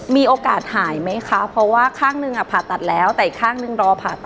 มีโอกาสหายไหมคะเพราะว่าข้างหนึ่งผ่าตัดแล้วแต่อีกข้างหนึ่งรอผ่าตัด